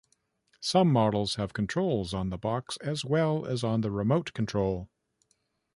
Some models have controls on the box, as well as on the remote control.